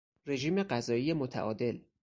رژیم غذایی متعادل